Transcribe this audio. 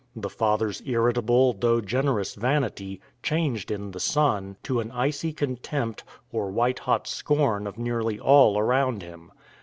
The father's irritable though generous vanity changed in the son to an icy contempt or white hot scorn of nearly all around him.